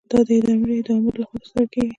دا د ادارې د آمر له خوا ترسره کیږي.